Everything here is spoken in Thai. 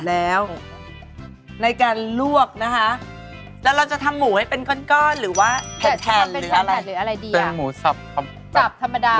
แต่หมูสับค่ะรวมแป๊บค่ะรวมใช่ไหมครับ